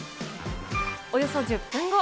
およそ１０分後。